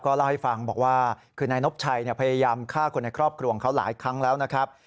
เล่าให้ฟังบอกว่าคือนายนบชัยพยายามฆ่าคนในครอบครัวของเขาหลายครั้งแล้วนะครับ